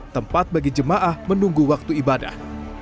tempat bagi jemaah menunggu waktu ibadah